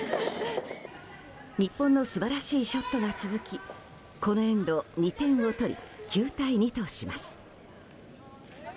日本の素晴らしいショットが続きこのエンド、２点を取り９対２とします。